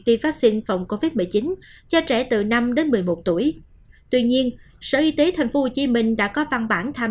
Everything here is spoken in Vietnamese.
tiêm vaccine phòng covid một mươi chín cho trẻ từ năm đến một mươi một tuổi tuy nhiên sở y tế tp hcm đã có văn bản tham